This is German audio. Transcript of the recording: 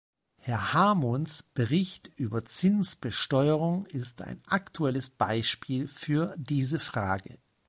Herr Hamons Bericht über Zinsbesteuerung ist ein aktuelles Beispiel für diese Frage.